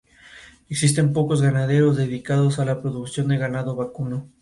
La policía cree que murió de causas naturales durante el ejercicio.